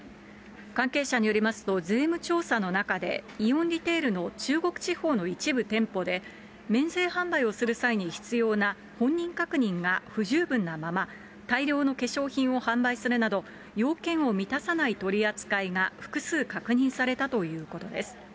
関係者によりますと、税務調査の中で、イオンリテールの中国地方の一部店舗で免税販売をする際に必要な本人確認が不十分なまま、大量の化粧品を販売するなど、要件を満たさない取り扱いが複数確認されたということです。